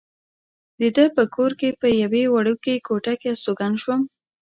د ده په کور کې په یوې وړوکې کوټه کې استوګن شوم.